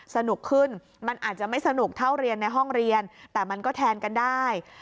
สนุกขึ้นมันอาจจะไม่สนุกเท่าเรียนในห้องเรียนแต่มันก็แทนกันได้